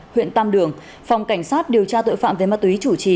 huyện tam đường phòng cảnh sát điều tra tội phạm về ma túy chủ trì